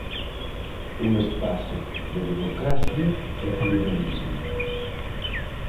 Un espazo de democracia e pluralismo.